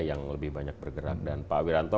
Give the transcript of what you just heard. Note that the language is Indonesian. yang lebih banyak bergerak dan pak wiranto